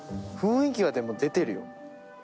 雰囲気がでも出てるよ